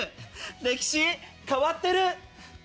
歴史変わってる。